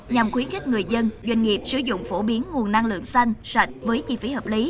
nhằm khuyến khích người dân doanh nghiệp sử dụng phổ biến nguồn năng lượng xanh sạch với chi phí hợp lý